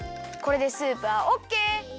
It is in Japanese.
これでスープはオッケー！